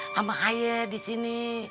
sama haye di sini